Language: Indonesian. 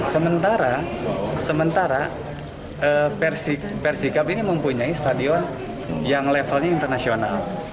sementara sementara persikap ini mempunyai stadion yang levelnya internasional